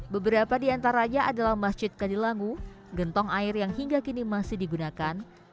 beberapa diantaranya adalah masjid kadilangu gentong air yang hingga kini masih digunakan